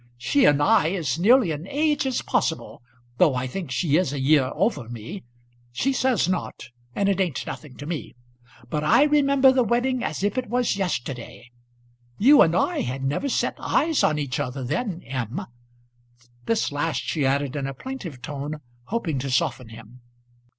She and I is nearly an age as possible, though I think she is a year over me. She says not, and it ain't nothing to me. But I remember the wedding as if it was yesterday. You and I had never set eyes on each other then, M." This last she added in a plaintive tone, hoping to soften him.